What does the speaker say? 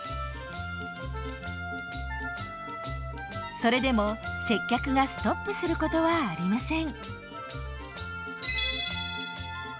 それでも接客がストップすることはありません。